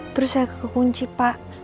terus saya ke kunci pak